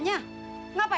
ya allah pak